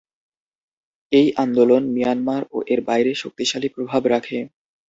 এই আন্দোলন মিয়ানমার ও এর বাইরে শক্তিশালী প্রভাব রাখে।